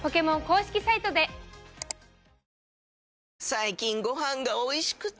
最近ご飯がおいしくて！